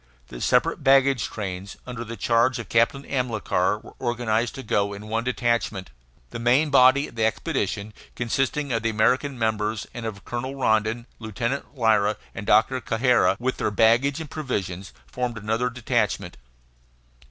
The separate baggage trains, under the charge of Captain Amilcar, were organized to go in one detachment. The main body of the expedition, consisting of the American members, and of Colonel Rondon, Lieutenant Lyra, and Doctor Cajazeira, with their baggage and provisions, formed another detachment.